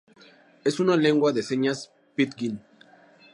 Es una lengua de señas pidgin.